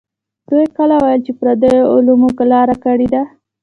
دوی کله ویل چې پردیو علمونو لاره کړې ده.